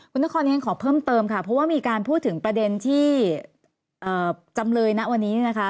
คุณนครฉันขอเพิ่มเติมค่ะเพราะว่ามีการพูดถึงประเด็นที่จำเลยนะวันนี้นะคะ